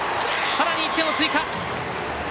さらに１点を追加！